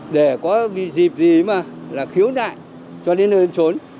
để có dịp gì mà là khiếu nại cho đến nơi đơn trốn